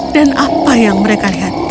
dan apa yang mereka lihat